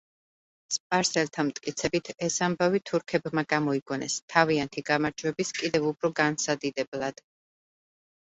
სპარსელთა მტკიცებით ეს ამბავი თურქებმა გამოიგონეს თავიანთი გამარჯვების კიდევ უფრო განსადიდებლად.